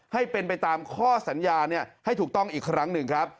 ให้เป็นไปตามข้อสัญญาให้ถูกต้องอีกครั้งหนึ่งครับ